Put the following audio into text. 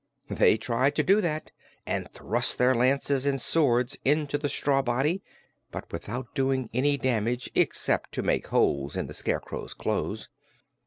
They tried to do that, and thrust their lances and swords into the straw body, but without doing any damage except to make holes in the Scarecrow's clothes.